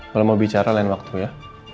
kalau mau bicara lain waktu ya